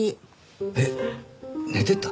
えっ寝てた？